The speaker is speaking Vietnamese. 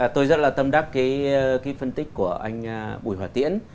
tôi rất là tâm đắc phân tích của anh bùi hòa tiễn